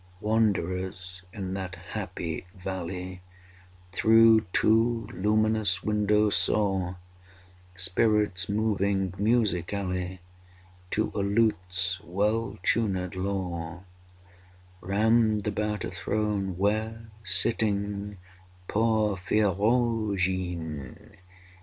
III. Wanderers in that happy valley Through two luminous windows saw Spirits moving musically To a lute's well tunéd law, Round about a throne, where sitting (Porphyrogene!)